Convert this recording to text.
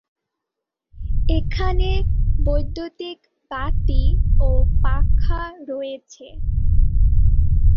এখানে বৈদ্যুতিক বাতি ও পাখা রয়েছে।